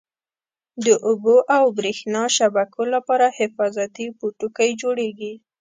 د اوبو او بریښنا شبکو لپاره حفاظتي پوټکی جوړیږي.